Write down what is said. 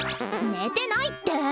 寝てないって！